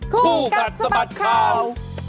คู่กัดสะบัดข่าว